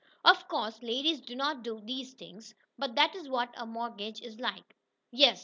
Of course ladies do not do those things, but that is what a mortgage is like. "Yes."